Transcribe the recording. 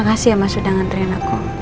makasih ya mas sudah nganterin aku